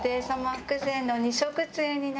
福膳の二色つゆになります。